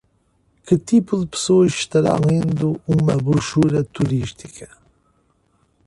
Que tipo de pessoas estará lendo uma brochura turística?